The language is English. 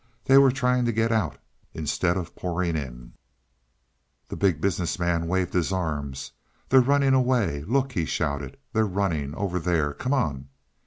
They were trying to get out, instead of pouring in. The Big Business Man waved his arms. "They're running away look," he shouted. "They're running over there come on."